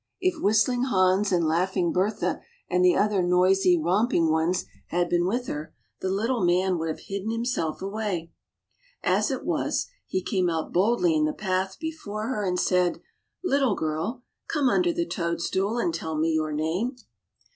If whistling Hans and laughing Bertha and the other noisy, romp ing ones had been with her, the Little Man would have hidden himself away. As it was, he came out boldly in the path before her and said, Little girl, come under the toadstool and tell me your name."